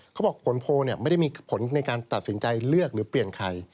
เขาบอกผลโพลไม่ได้มีผลในการตัดสินใจเลือกหรือเปลี่ยนใคร